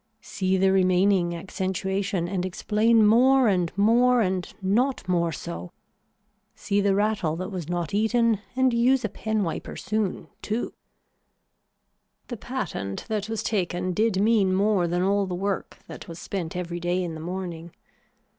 See the remaining accentuation and explain more and more and not more so. See the rattle that was not eaten and use a pen wiper soon too. The patent that was taken did mean more than all the work that was spent every day in the morning.